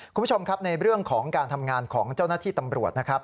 คุณผู้ชมครับในเรื่องของการทำงานของเจ้าหน้าที่ตำรวจนะครับ